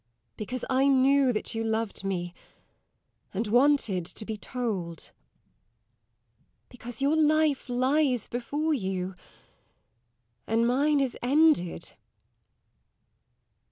Because I knew that you loved me, and wanted to be told. Because your life lies before you, and mine is ended.